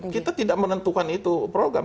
kita tidak menentukan itu program